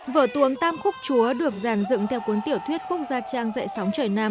vở tuồng tam khúc chúa được giàn dựng theo cuốn tiểu thuyết khúc gia trang dạy sóng trời nam